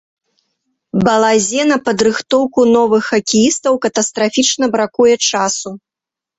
Балазе на падрыхтоўку новых хакеістаў катастрафічна бракуе часу.